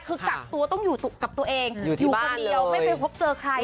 คือกักตัวต้องอยู่กับตัวเองอยู่คนเดียวไม่ไปพบเจอใคร